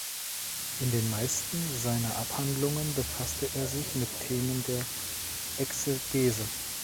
In den meisten seiner Abhandlungen befasste er sich mit Themen der Exegese.